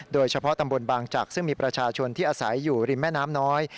โดยเฉพาะตำบลบางจักรซึ่งมีประชาชนที่อาศัยอยู่ริมแม่น้ำน้อย